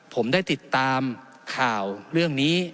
ผมได้ติดตามข่าวเรื่องนี้